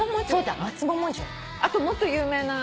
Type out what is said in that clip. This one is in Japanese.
あともっと有名な。